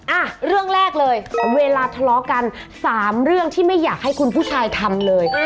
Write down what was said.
อ่ะเรื่องแรกเลยเวลาทะเลาะกันสามเรื่องที่ไม่อยากให้คุณผู้ชายทำเลย